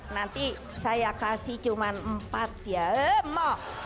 nanti saya kasih cuma empat ya lemok